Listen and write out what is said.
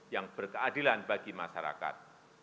yang berkeadilan bagi masyarakat